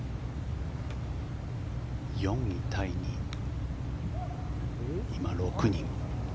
４位タイに今６人。